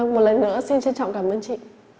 một lần nữa xin trân trọng cảm ơn chị